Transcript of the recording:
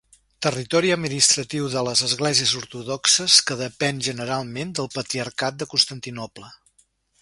Territori administratiu de les esglésies ortodoxes que depèn generalment del patriarcat de Constantinoble.